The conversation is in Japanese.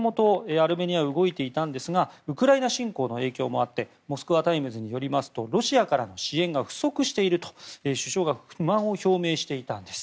アルメニアは動いていたんですがウクライナ侵攻の影響もあってモスクワ・タイムズによりますとロシアからの支援が不足していると首相が不満を表明していたんです。